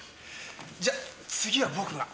じゃあ次は僕が。